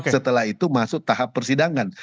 setelah itu masuk tahap persidangan